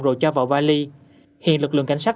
rồi cho vào vali hiện lực lượng cảnh sát